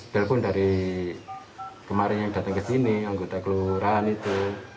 dedi kemarin yang datang ke sini anggota kelurahan itu